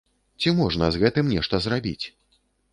Ці можна з гэтым нешта зрабіць?